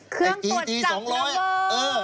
เครื่องตรวจจับนะเวอร์